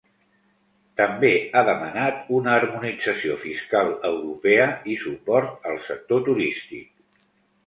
També ha demanat una harmonització fiscal europea i suport al sector turístic.